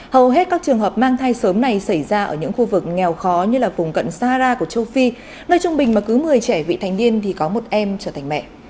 hầu hết các trường hợp mang thai sớm này xảy ra ở những khu vực nghèo khó như là vùng cận sahara của châu phi nơi trung bình mà cứ một mươi trẻ vị thành niên thì có một em trở thành mẹ